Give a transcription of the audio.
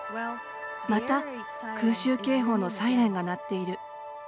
また空襲警報のサイレンが鳴っている。